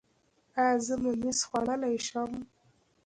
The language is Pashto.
ایا زه ممیز خوړلی شم؟